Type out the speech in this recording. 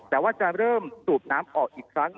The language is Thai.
แต่ว่าจะเริ่มสูบน้ำออกอีกครั้ง